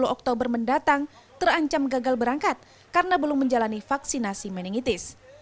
sepuluh oktober mendatang terancam gagal berangkat karena belum menjalani vaksinasi meningitis